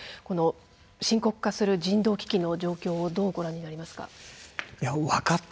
この深刻化する人道危機の状況をどうご覧になりますか？